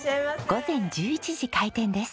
午前１１時開店です。